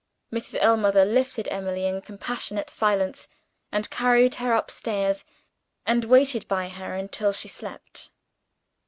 Mrs. Ellmother lifted Emily in compassionate silence, and carried her upstairs, and waited by her until she slept.